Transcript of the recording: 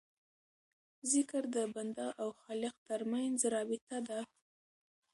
ذکر د بنده او خالق ترمنځ رابطه ده.